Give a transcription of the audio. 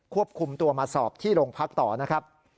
ควบคุมตัวมาสอบที่โรงพักต่อนะครับ